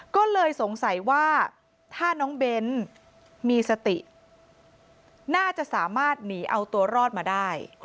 ก็เลยสงสัยว่าถ้าน้องเบ้นมีสติน่าจะสามารถหนีเอาตัวรอดมาได้